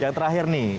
yang terakhir nih